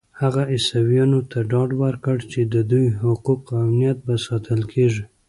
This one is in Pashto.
هغه عیسویانو ته ډاډ ورکړ چې د دوی حقوق او امنیت به ساتل کېږي.